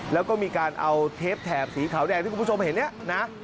แล้วก็มีการเอาเทปแถบสีขาวแดงที่คุณผู้ชมเห็นเนี่ยนะ